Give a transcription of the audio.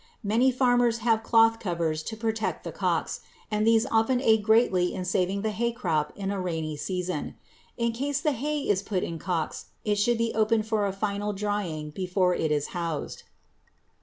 Many farmers have cloth covers to protect the cocks and these often aid greatly in saving the hay crop in a rainy season. In case the hay is put in cocks, it should be opened for a final drying before it is housed.